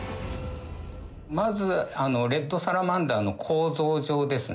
まずレッドサラマンダーの構造上ですね